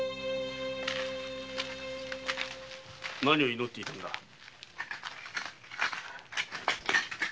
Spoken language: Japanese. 何を祈っていたんだ？